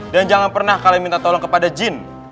dan jangan pernah kalian minta tolong kepada jin